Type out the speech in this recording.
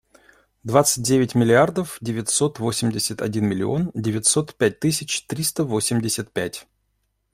Двадцать девять миллиардов девятьсот восемьдесят один миллион девятьсот пять тысяч триста восемьдесят пять.